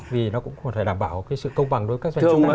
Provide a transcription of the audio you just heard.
vì nó cũng có thể đảm bảo cái sự công bằng đối với các doanh nghiệp